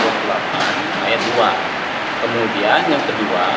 ayat dua kemudian yang kedua